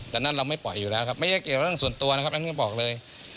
ดังนั้นเราไม่ปล่อยอยู่แล้วครับไม่ใช่เกี่ยวกับเรื่องส่วนตัวนะครับอันนี้ก็บอกเลย